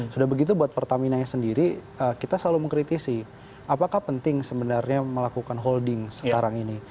sudah begitu buat pertamina nya sendiri kita selalu mengkritisi apakah penting sebenarnya melakukan holding sekarang ini